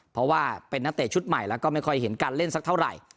เพราะว่าเป็นนักเตะชุดใหม่แล้วก็ไม่ค่อยเห็นการเล่นสักเท่าไหร่